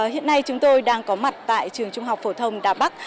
hiện nay chúng tôi đang có mặt tại trường trung học phổ thông đà bắc